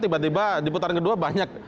tiba tiba di putaran kedua banyak